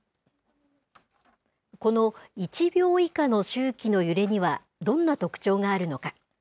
この１秒以下の周期の揺れには、どんな特徴があるのか。